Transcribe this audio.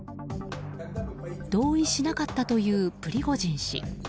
同意しなかったというプリゴジン氏。